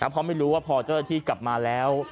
เพราะไม่รู้ว่าพอเจ้าหน้าที่กลับมาแล้ว